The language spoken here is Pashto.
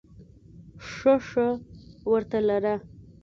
ښه ښه ورته لره !